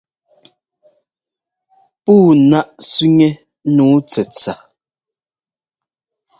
Puu náʼ sẅiŋɛ́ nǔu tsɛtsa.